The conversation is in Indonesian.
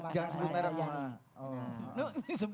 jangan sebut merah bunga